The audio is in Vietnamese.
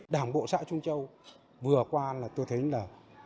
đảng bộ xã trung châu vừa qua là tôi thấy là